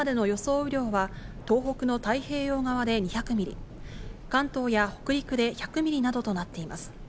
雨量は東北の太平洋側で２００ミリ、関東や北陸で１００ミリなどとなっています。